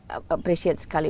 saya sangat mengesankan sekali